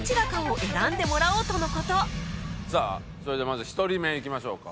それではまず１人目いきましょうか。